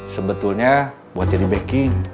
sebetulnya buat jadi backing